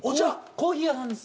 コーヒー屋さんです。